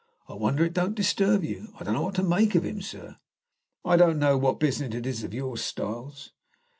I wonder it don't disturb you. I don't know what to make of him, sir." "I don't know what business it is of yours, Styles."